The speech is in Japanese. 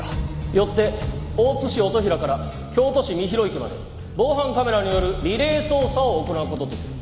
よって大津市音比良から京都市深広池まで防犯カメラによるリレー捜査を行う事とする。